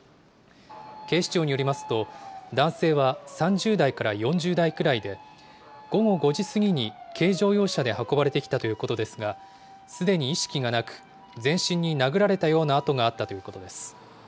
警視庁によりますと、男性は３０代から４０代くらいで、午後５時過ぎに軽乗用車で運ばれてきたということですが、すでに意識がなく、全身に殴られたような痕があったということです。